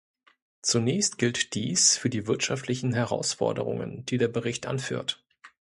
Zunächst gilt dies für die wirtschaftlichen Herausforderungen, die der Bericht anführt.